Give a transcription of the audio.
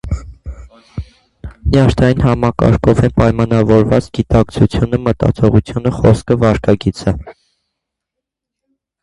Նյարդային համակարգով են պայմանավորված գիտակցությունը, մտածողությունը, խոսքը, վարքագիծը։